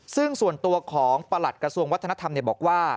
ซึ่งส่วนตัวของประหลัดกระทรวงวัฒนธรรมบอกว่า